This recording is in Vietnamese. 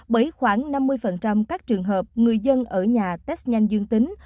bởi khoảng năm mươi các trường hợp người dân ở nhà test nhanh dương tính